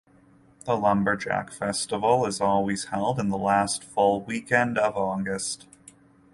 The lumberjack festival is always held in the last full weekend of August.